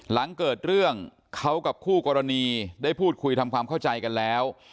หลังเกิดเรื่องเขากับคู่กรณีได้พูดคุยทำความเข้าใจกันแล้ว